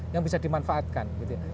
yang bisa dimanfaatkan